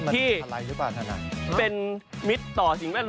ที่อันลงตัวโลคกับน้ำป่าว